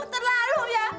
kamu terlalu ya